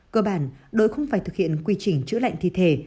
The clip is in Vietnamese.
cơ bản đội không phải thực hiện quy trình chữa lạnh thi thể